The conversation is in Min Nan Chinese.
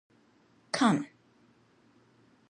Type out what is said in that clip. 崁